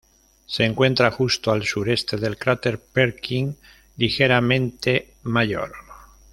Se encuentra justo al sureste del cráter Perkin, ligeramente mayor.